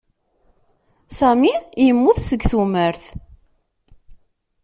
Sami yemmut seg tumert.